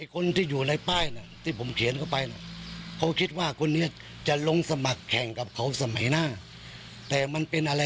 กลายเป็นว่าความสัมพันธ์